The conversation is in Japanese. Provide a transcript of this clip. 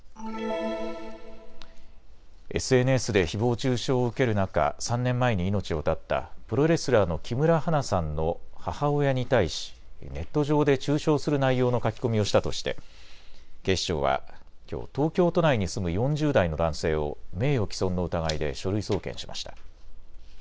ＳＮＳでひぼう中傷を受ける中、３年前に命を絶ったプロレスラーの木村花さんの母親に対しネット上で中傷する内容の書き込みをしたとして警視庁はきょう東京都内に住む４０代の男性を名誉毀損の疑いで書類送検しました。